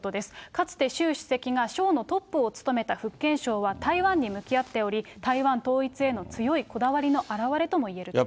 かつて習主席が省のトップを務めた福建省は、台湾に向き合っており、台湾統一への強いこだわりの表れともいえると。